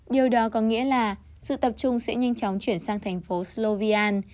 điều đó có nghĩa là sự tập trung sẽ nhanh chóng chuyển sang thành phố slovian